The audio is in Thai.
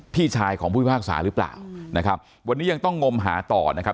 พี่ชายของผู้พิพากษาหรือเปล่านะครับวันนี้ยังต้องงมหาต่อนะครับ